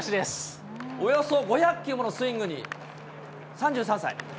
およそ５００球ものスイングに、３３歳。